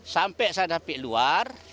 sampai saya sampai luar